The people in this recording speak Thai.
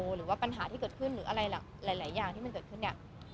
หรือว่าปัญหาที่เกิดขึ้นหรืออะไรหลายอย่างที่มันเกิดขึ้นเนี่ย